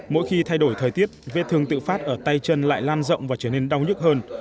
mỗi khi thay đổi thời tiết vết thương tự phát ở tay chân lại lan rộng và trở nên đau nhức hơn